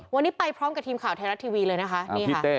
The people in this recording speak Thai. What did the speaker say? วันนี้ไปพร้อมกับทีมข่าวไทยรัฐทีวีเลยนะคะนี่ค่ะ